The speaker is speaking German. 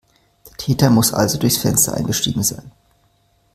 Der Täter muss also durchs Fenster eingestiegen sein.